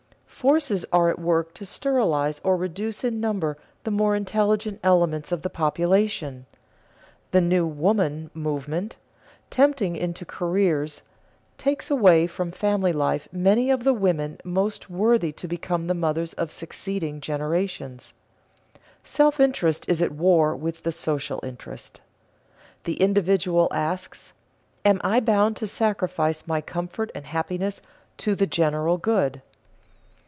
Forces are at work to sterilize or reduce in number the more intelligent elements of the population. The "new woman" movement, tempting into "careers," takes away from family life many of the women most worthy to become the mothers of succeeding generations, Self interest is at war with the social interest. The individual asks, "Am I bound to sacrifice my comfort and happiness to the general good?"